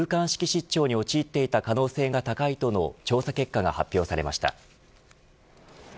失調に陥っていた可能性が高いとの調査結果が発表されました。